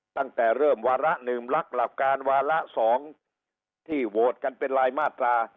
ตั้งแต่เริ่มวาระ๑ลักหลักการวาระ๒ที่โหวตกันเป็นรายมาตรา